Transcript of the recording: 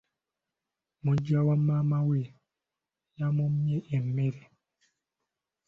Muggya wamaama we yamummye emmere.